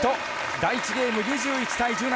第１ゲーム、２１対１７。